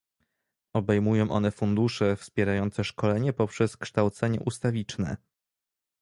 Obejmują one fundusze wpierające szkolenie poprzez kształcenie ustawiczne